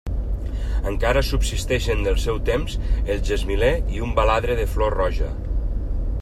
Encara subsisteixen del seu temps el gesmiler i un baladre de flor roja.